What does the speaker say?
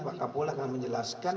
pak kapolah akan menjelaskan